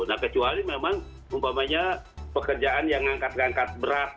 nah kecuali memang umpamanya pekerjaan yang ngangkat ngangkat berat